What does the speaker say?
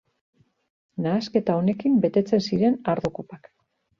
Nahasketa honekin betetzen ziren ardo kopak.